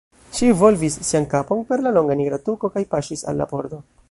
Ŝi volvis sian kapon per la longa nigra tuko kaj paŝis al la pordo.